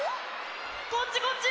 こっちこっち！